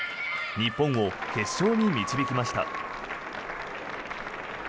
日本を決勝に導きました。